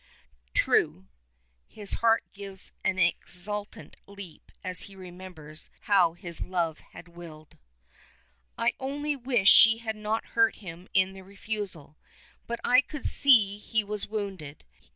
"True." His heart gives an exultant leap as he remembers how his love had willed. "I only wish she had not hurt him in the refusal. But I could see he was wounded.